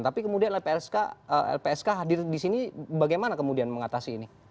tapi kemudian lpsk hadir di sini bagaimana kemudian mengatasi ini